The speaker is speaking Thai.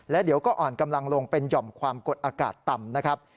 และเดี๋ยวก็อ่อนกำลังลงเป็นหย่อมความกดอากาศต่ำนะครับ